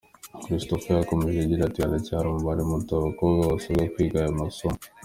Christopher yakomeje agira ati “Haracyari umubare muto w’abakobwa basaba kwiga aya masomo.